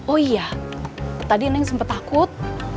oh iya tadi neng sempet takut